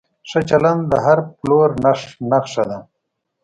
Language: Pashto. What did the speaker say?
ښه چلند د هر پلور نښه ده.